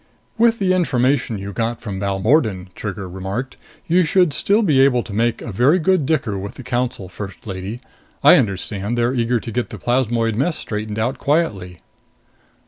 "With the information you got from Balmordan," Trigger remarked, "you should still be able to make a very good dicker with the Council, First Lady. I understand they're very eager to get the plasmoid mess straightened out quietly."